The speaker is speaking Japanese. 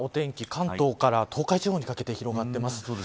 関東から東海地方にかけて広がっています。